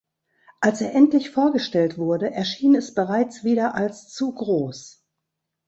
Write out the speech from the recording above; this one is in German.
Als er endlich vorgestellt wurde, erschien es bereits wieder als zu groß.